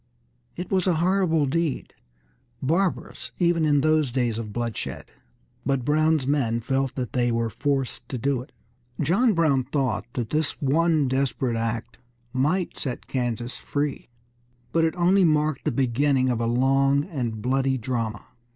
It was a horrible deed, barbarous even in those days of bloodshed. But Brown's men felt that they were forced to do it. John Brown thought that this one desperate act might set Kansas free; but it only marked the beginning of a long and bloody drama.